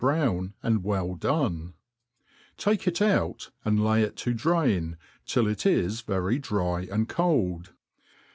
brown, and well done ; take it out, and lay it to drain, till it is very dry and cold.